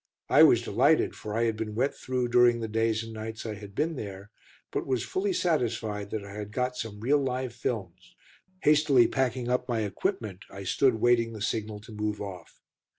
I was delighted, for I had been wet through during the days and nights I had been there, but was fully satisfied that I had got some real live films. Hastily packing up my equipment, I stood waiting the signal to move off.